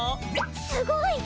すごい！